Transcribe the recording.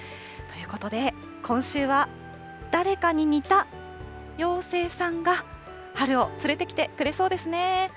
ということで、今週は誰かに似た妖精さんが、春を連れてきてくれそうですね。